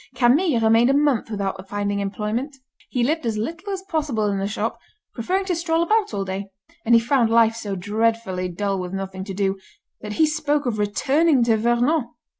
Camille remained a month without finding employment. He lived as little as possible in the shop, preferring to stroll about all day; and he found life so dreadfully dull with nothing to do, that he spoke of returning to Vernon.